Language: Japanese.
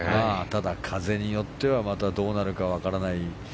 ただ、風によってまたどうなるか分からない。